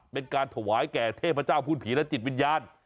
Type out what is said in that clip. เป็นการถวายแก่เทพเจ้าพูดผีและจิตวิญญาณ